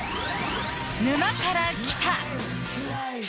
「沼から来た。」。